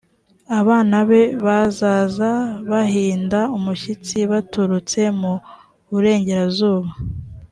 abana be bazaza bahinda umushyitsi baturutse mu burengerazuba